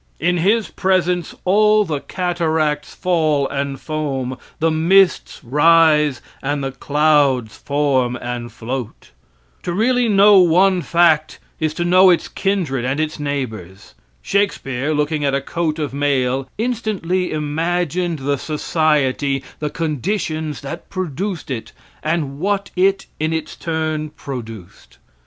In his presence all the cataracts fall and foam, the mists rise, and the clouds form and float. To really know one fact is known its kindred and its neighbors. Shakespeare, looking at a coat of mail, instantly imagined the society, the conditions that produced it, and what it, in its turn, produced.